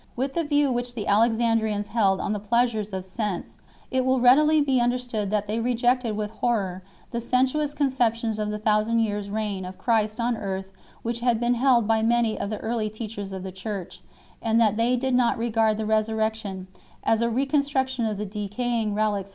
With the view which the Alexandrians held on the pleasures of sense, it will readily be understood that they rejected with horror the sensuous conceptions of the thousand years reign of Christ on earth which had been helcTby many of the early teachers of the Church 9 ; and that they did not regard the Resurrection as a reconstitution of the decaying 1 Clem.